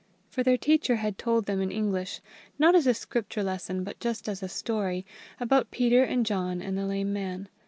For their teacher had told them in English, not as a Scripture lesson, but just as a story, about Peter and John and the lame man.